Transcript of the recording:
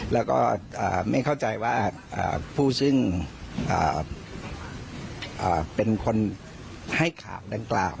แล้วก็ไม่เข้าใจว่าผู้ซึ่งเป็นคนให้ข่าวดังกล่าว